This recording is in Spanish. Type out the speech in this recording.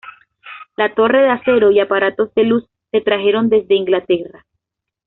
La torre de acero y aparatos de luz se trajeron desde Inglaterra.